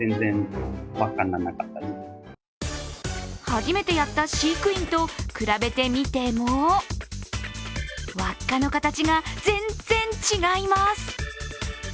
初めてやった飼育員と比べてみても輪っかの形が全然違います。